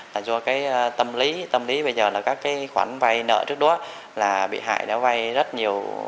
là do cái tâm lý tâm lý bây giờ là các cái khoản vay nợ trước đó là bị hại đã vay rất nhiều